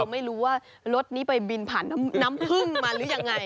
ไม่รู้ว่ารถนี้ไปบินผ่านน้ำพึ่งมาหรือยังไง